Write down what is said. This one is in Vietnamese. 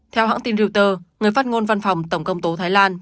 theo hãng tin reuters người phát ngôn văn phòng tổng công tố thái lan